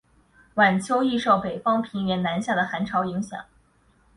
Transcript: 晚秋易受北方平原南下的寒潮影响。